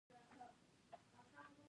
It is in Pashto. ایا ستاسو ستوری به روښانه نه وي؟